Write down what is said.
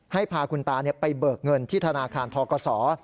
ให้พาคุณตาไปเบิกเงินที่ธนาคารทกศ